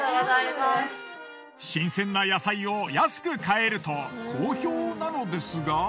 新鮮な野菜を安く買えると好評なのですが。